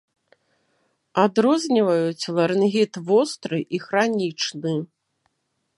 Адрозніваюць ларынгіт востры і хранічны.